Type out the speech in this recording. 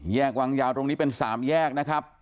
วางยาวตรงนี้เป็น๓แยกนะครับ